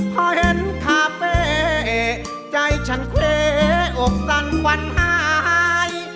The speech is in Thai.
พอเห็นคาเฟ่ใจฉันเควอกสั่นควันหาย